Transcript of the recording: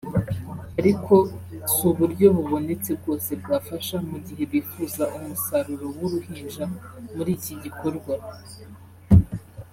ariko si uburyo bubonetse bwose bwafasha mu gihe bifuza umusaruro w’uruhinja muri iki gikorwa […]